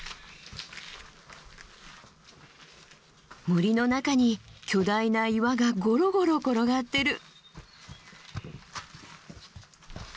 森の中に巨大な岩がごろごろ転がってる。